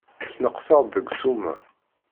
Sneqseɣ-d deg ssuma.